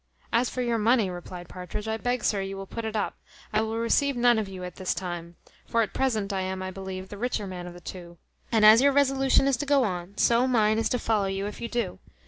"As for your money," replied Partridge, "I beg, sir, you will put it up; I will receive none of you at this time; for at present I am, I believe, the richer man of the two. And as your resolution is to go on, so mine is to follow you if you do.